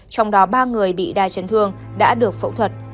trong đó ba người bị đa chấn thương đã được phẫu thuật